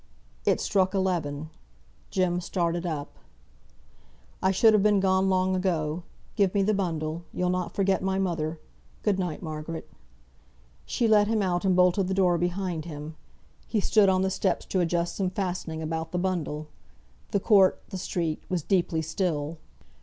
It struck eleven. Jem started up. "I should have been gone long ago. Give me the bundle. You'll not forget my mother. Good night, Margaret." She let him out and bolted the door behind him. He stood on the steps to adjust some fastening about the bundle. The court, the street, was deeply still.